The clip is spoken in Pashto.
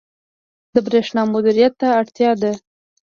• د برېښنا مدیریت ته اړتیا ده.